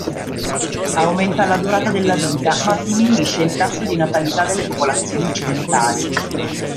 Aumenta la durata della vita, ma diminuisce il tasso di natalità delle popolazioni occidentali.